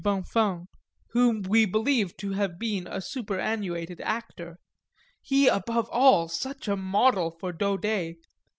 Bonnefons, whom we believed to have been a superannuated actor (he above all such a model for Daudet!)